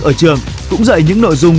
ở trường cũng dạy những nội dung